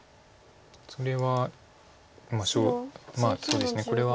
それはまあそうですねこれは。